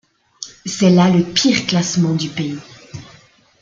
C'est là le pire classement du pays.